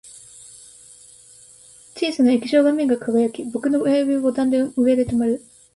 小さな液晶画面が輝き、僕の親指はボタンの上で止まる